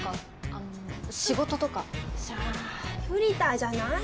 あの仕事とかさあフリーターじゃない？